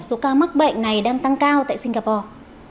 số ca mắc bệnh này đang tăng cao tại singapore